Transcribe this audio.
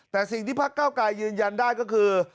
แต่สิ่งที่พักเก้าไกรยืนยันได้ก็คือ